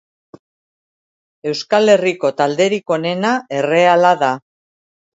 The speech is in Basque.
Euskal Herriko talderik onena erreala da.